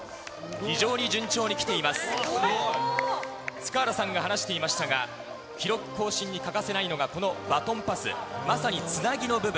塚原さんが話していましたが、記録更新に欠かせないのがこのバトンパス、まさにつなぎの部分。